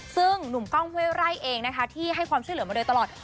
ซึ่งหนุ่มกล้องห้วยไร่เองนะคะที่ให้ความช่วยเหลือมาโดยตลอด